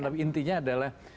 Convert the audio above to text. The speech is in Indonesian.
tapi intinya adalah